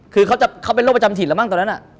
คือเค้าเป็นโลกประจำถิตแล้วมั่งตอนนั้นอะ